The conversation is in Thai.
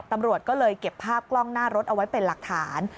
ตำรวจก็เลยเก็บภาพกล้องหน้ารถเอาไว้เป็นหลักฐาน